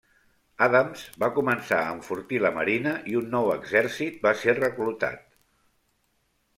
Adams va començar a enfortir la marina, i un nou exèrcit va ser reclutat.